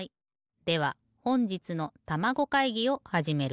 ではほんじつのたまご会議をはじめる。